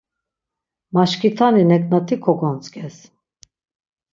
Maşkitani neknati kogontzǩes.